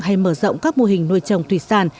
hay mở rộng các mô hình nuôi trồng thủy sản